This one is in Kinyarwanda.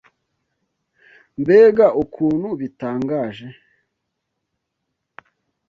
Mbega ukuntu bitangaje!